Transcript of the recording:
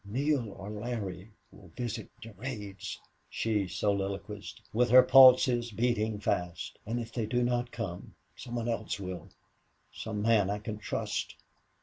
"Neale or Larry will visit Durade's," she soliloquized, with her pulses beating fast. "And if they do not come some one else will... some man I can trust."